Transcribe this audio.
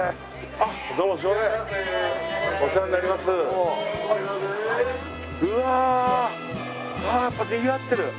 あっやっぱにぎわってる。